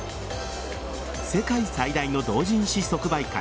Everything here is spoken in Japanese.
世界最大の同人誌即売会